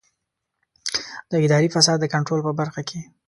د اداري فساد د کنټرول په برخه کې.